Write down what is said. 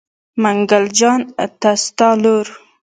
منګل جان ته ستا لور.